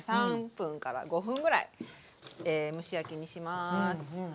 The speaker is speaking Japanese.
３分から５分ぐらい蒸し焼きにします。